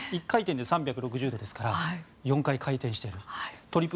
１回転で３６０度ですから４回、回転していると。